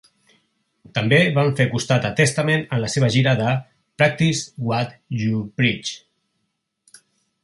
També van fer costat a Testament en la seva gira de "Practice What You Preach".